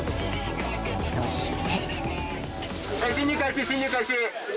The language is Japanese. そして。